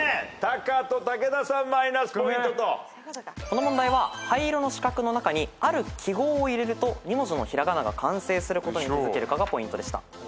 この問題は灰色の四角の中にある記号を入れると２文字の平仮名が完成することに気付けるかがポイントでした。